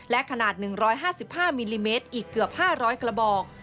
และขนาด๑๕๕มิลลิเมตรอีกเกือบ๕๐๐กระบอก